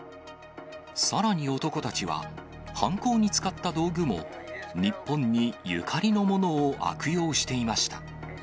さらに男たちは、犯行に使った道具も、日本にゆかりのものを悪用していました。